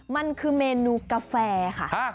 มันคือเมนูกาแฟค่ะ